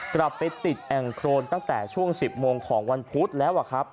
กลับไปติดแอ่งโครนตั้งแต่ช่วง๑๐โมงของวันพุธแล้วครับ